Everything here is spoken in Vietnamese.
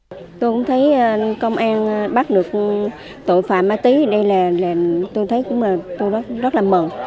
tôi cũng thấy công an bắt được tội phạm ma túy tôi thấy tôi rất mừng